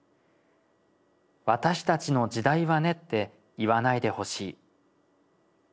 「『私たちの時代はね』って言わないでほしい。